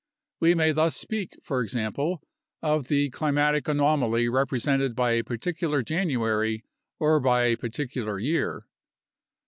We may thus speak, for example, of the climatic anomaly represented by a particular January or by a par ticular year.